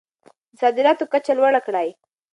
د صادراتو کچه لوړه کړئ.